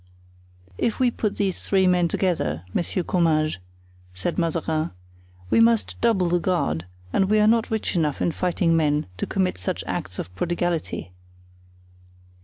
"If we put these three men together, Monsieur Comminges," said Mazarin, "we must double the guard, and we are not rich enough in fighting men to commit such acts of prodigality."